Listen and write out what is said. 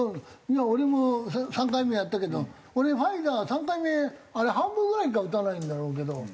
俺も３回目やったけど俺ファイザー３回目あれ半分ぐらいしか打たないんだろうけど。